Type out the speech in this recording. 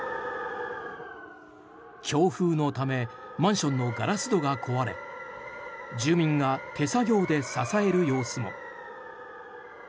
強風のためマンションのガラス戸が壊れ住民が手作業で支える様子も。